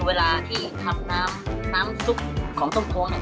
เวลาที่ทำน้ำน้ำซุปของส้มโค้งเนี่ย